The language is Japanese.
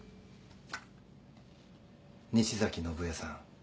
西崎信江さん。